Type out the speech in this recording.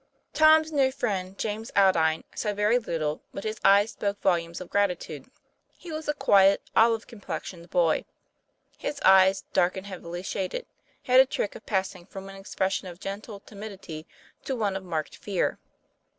Tom's new friend, James Aldine, said very little, but his eyes spoke volumes of gratitude. He was a quiet, olive complexioned boy. His eyes, dark and heavily shaded, had a trick of passing from an ex pression of gentle timidity to one of marked fear.